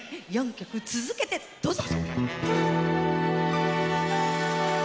４曲続けてどうぞ！